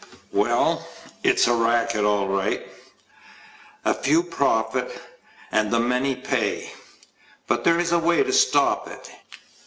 WELL, it's a racket, all right. A few profit and the many pay. But there is a way to stop it.